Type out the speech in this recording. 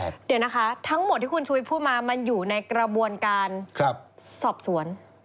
เดี๋ยวนะคะทั้งหมดที่คุณชุวิตพูดมามันอยู่ในกระบวนการสอบสวน